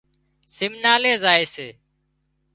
سمنالي زائي سي